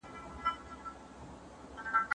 هغه د خپل کار له پاره پلان جوړوي.